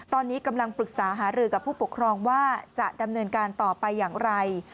ตอนนี้กำลังปรึกษาหารือกับผู้ปกครองว่าจะดำเนินการต่อไปอย่างไร